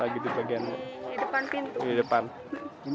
di depan pintu